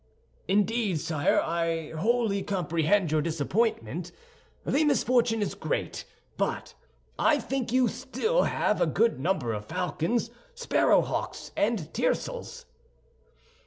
"Indeed, sire, I wholly comprehend your disappointment. The misfortune is great; but I think you have still a good number of falcons, sparrow hawks, and tiercels."